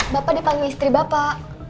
bapak dipanggil istri bapak